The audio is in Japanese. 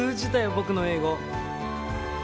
僕の英語！